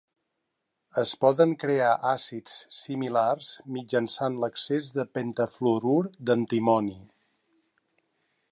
Es poden crear àcids similars mitjançant l'excés de pentafluorur d'antimoni.